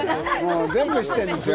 全部知ってるんですよ。